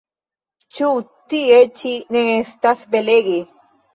Ĉu tie ĉi ne estas belege?